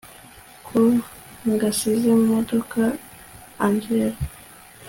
ko ngasize mumodoka angella